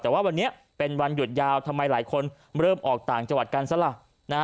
แต่ว่าวันนี้เป็นวันหยุดยาวทำไมหลายคนเริ่มออกต่างจังหวัดกันซะล่ะ